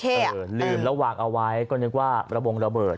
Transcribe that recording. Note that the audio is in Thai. เออลืมแล้ววางเอาไว้ก็นึกว่าระบงระเบิด